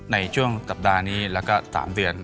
ในช่วงสัปดาห์นี้แล้วก็๓เดือน